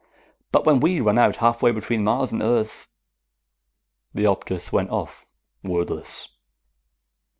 But when we run out halfway between Mars and Earth " The Optus went off, wordless.